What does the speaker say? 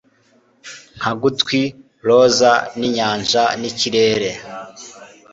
Nka gutwi roza ninyanja nikirere